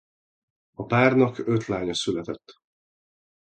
A párnak öt lánya született.